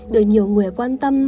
để nhiều người quan tâm